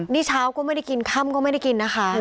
นี่เช้าก็ไม่ได้กินค่ำก็ไม่ได้กินนะคะ